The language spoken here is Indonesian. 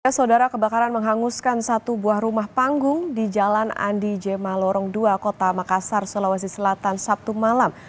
saudara kebakaran menghanguskan satu buah rumah panggung di jalan andi jema lorong dua kota makassar sulawesi selatan sabtu malam